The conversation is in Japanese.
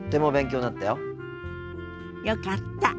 よかった。